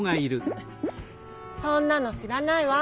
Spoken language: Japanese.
そんなのしらないわ！